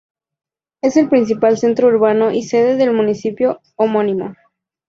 Es el principal centro urbano y sede del municipio homónimo.